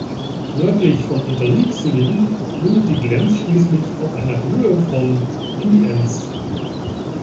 Nördlich von Unterriexingen mündet die Glems schließlich auf einer Höhe von in die Enz.